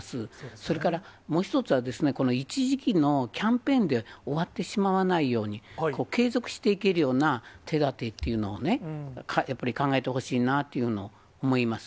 それから、もう１つは、この一時期のキャンペーンで終わってしまわないように、継続していけるような手だてっていうのをね、やっぱり考えてほしいなっていうのを思います。